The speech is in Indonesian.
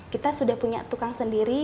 kita sudah punya tukang sendiri